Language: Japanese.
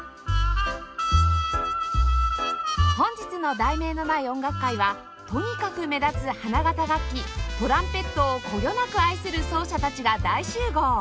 本日の『題名のない音楽会』はとにかく目立つ花形楽器トランペットをこよなく愛する奏者たちが大集合